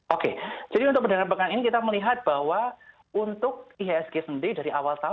oke jadi untuk perdagangan pekan ini kita melihat bahwa untuk ihsg sendiri dari awal tahun